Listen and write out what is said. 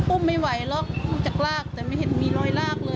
อุ้มไม่ไหวหรอกจากรากแต่ไม่เห็นมีรอยรากเลยอ่ะ